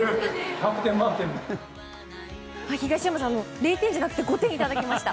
０点じゃなくて５点をいただきました。